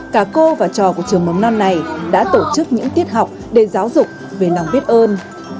cả cô và trò của trường mầm non này đã tổ chức những tiết học để giáo dục về lòng biết ơn